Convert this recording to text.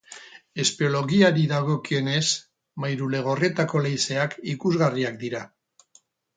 Espeleologiari dagokionez, Mairuelegorretako leizeak ikusgarriak dira.